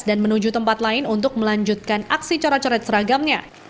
dan menuju tempat lain untuk melanjutkan aksi corat coret seragamnya